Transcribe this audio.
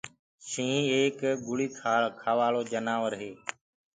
شيِنهيٚنَ ايڪ گوشتکور جآنور هي۔